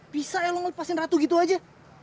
bisa ya lo ngelepasin ratu gitu aja